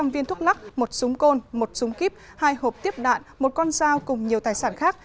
một trăm linh viên thuốc lắc một súng côn một súng kíp hai hộp tiếp đạn một con rào cùng nhiều tài sản khác